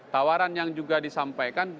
tawaran yang juga disampaikan